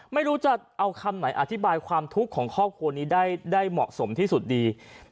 ไม่รู้จะเอาคำไหนอธิบายความทุกข์ของครอบครัวนี้ได้เหมาะสมที่สุดดี